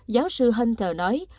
giáo sư hunter nói